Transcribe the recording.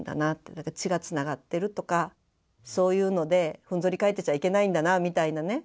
血がつながってるとかそういうのでふんぞり返ってちゃいけないんだなみたいなね。